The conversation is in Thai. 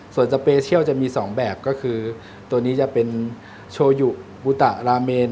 ส่วนสเปเชียลจะมี๒แบบก็คือตัวนี้จะเป็นโชยุบุตะราเมน